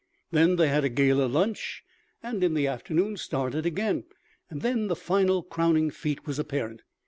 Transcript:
Then they had a gala lunch, and in the afternoon started again. And then the final crowning feat was apparent.